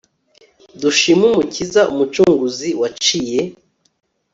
dushime umukiza umucunguzi, waciye